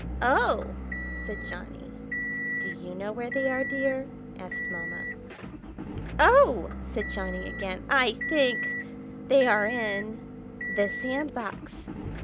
"Oh!" said Johnny. "Do you know where they are, dear?" asked Mamma. "Oh!" said Johnny again. "I think—they are in—the sand box!"